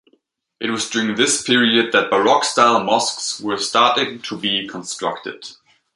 It was during this period that Baroque-style mosques were starting to be constructed.